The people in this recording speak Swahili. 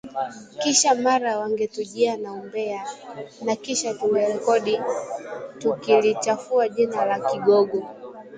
Kila mara wangetujia na umbea na kisha kuturekodi tukilichafua jina la kigogo